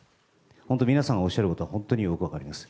本当、皆さんがおっしゃることは本当によく分かります。